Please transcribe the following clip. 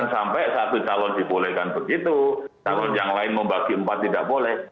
sampai satu calon dibolehkan begitu calon yang lain membagi empat tidak boleh